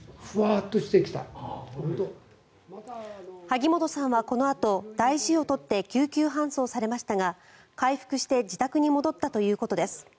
萩本さんはこのあと大事を取って救急搬送されましたが回復して自宅に戻ったということです。